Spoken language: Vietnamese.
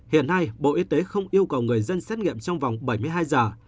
hiện nay bộ y tế không yêu cầu người dân xét nghiệm trong vòng bảy mươi hai giờ